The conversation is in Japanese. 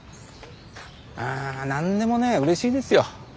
うん何でもねうれしいですよ。